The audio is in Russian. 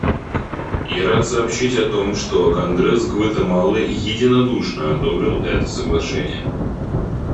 Я рад сообщить о том, что Конгресс Гватемалы единодушно одобрил это Соглашение.